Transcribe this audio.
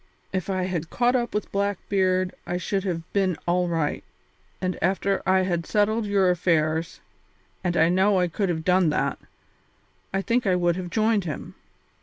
If I had caught up with Blackbeard I should have been all right, and after I had settled your affairs and I know I could have done that I think I would have joined him.